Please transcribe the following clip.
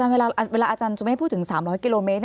เวลาอาจารย์จมิตรพูดถึง๓๐๐กิโลเมตร